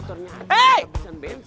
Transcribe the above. motornya habis bensin